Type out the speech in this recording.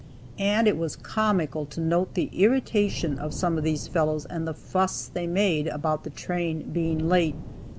And it was comical to note the irritation of some of these fellows and the fuss they made about the train being late.